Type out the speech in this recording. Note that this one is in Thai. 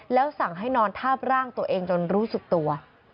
แล้วสั่งให้นอนทาบร่างตัวเองจนรู้สึกตัว